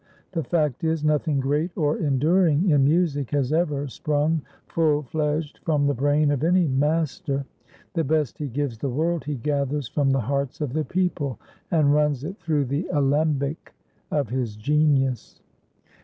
The fact is, nothing great or enduring in music has ever sprung full fledged from the brain of any master; the best he gives the world he gathers from the hearts of the people, and runs it through the alembic of his genius.